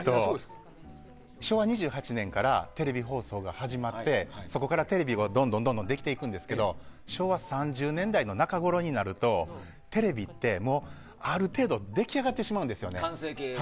昭和２８年からテレビ放送が始まってそこからテレビがどんどんできていくんですけど昭和３０年代の中ごろになるとテレビってもう、ある程度出来上がってしまうんですよね。